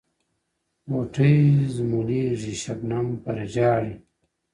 • غوټۍ زمولیږي شبنم پر ژاړي ,